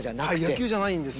野球じゃないんですよ。